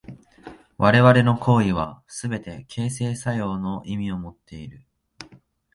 我々の行為はすべて形成作用の意味をもっている。